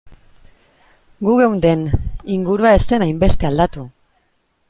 Gu geunden, ingurua ez zen hainbeste aldatu.